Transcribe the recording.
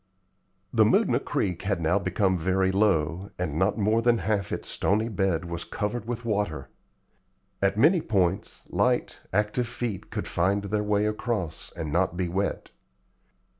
The Moodna Creek had now become very low, and not more than half its stony bed was covered with water. At many points, light, active feet could find their way across and not be wet.